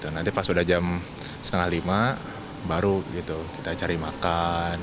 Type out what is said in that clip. nanti pas sudah jam setengah lima baru gitu kita cari makan